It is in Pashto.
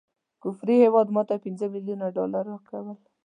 کفري هیواد ماته پنځه ملیونه ډالره راکول.